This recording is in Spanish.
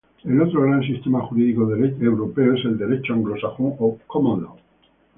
El otro gran sistema jurídico europeo es el Derecho anglosajón o "Common Law".